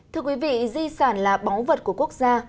thưa quý vị di sản là báu vật của quốc gia